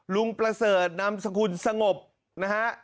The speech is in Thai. ลุงประเสริฐนำคุณสงบนะฮะ